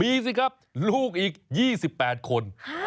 มีสิครับลูกอีก๒๘คน